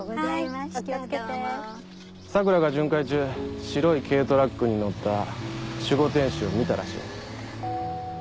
桜が巡回中白い軽トラックに乗った守護天使を見たらしい。